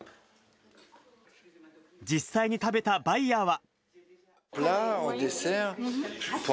実際に食べたバイヤーは。